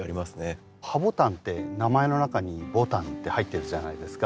ハボタンって名前の中に「ボタン」って入ってるじゃないですか。